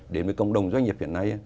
đến với cộng đồng doanh nghiệp hiện nay